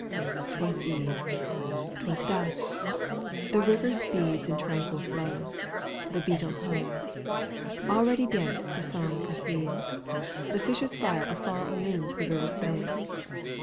'Twas eve. 'Twas dusk. The river speeds In tranquil flow. The beetle hums. Already dance to song proceeds ; The fisher's fire afar illumes The river's bank.